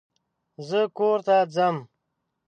زه کور ته ځم